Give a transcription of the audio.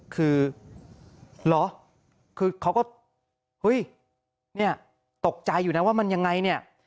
คือเหรอคือเขาก็เฮ้ยตกใจอยู่นะว่ามันยังไง